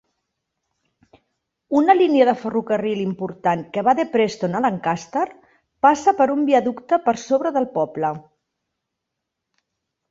Una línia de ferrocarril important que va de Preston a Lancaster passa per un viaducte per sobre del poble.